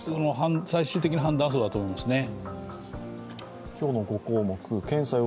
最終的な判断はそうだと思いますね。